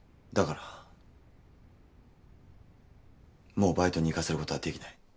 だからもうバイトに行かせることはできない。